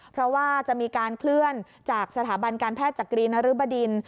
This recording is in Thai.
เพราะว่าจะมีการเคลื่อนจากสถาบันการแพทย์จักรีนรึบดิน